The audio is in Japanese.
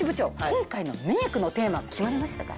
今回のメイクのテーマ決まりましたか？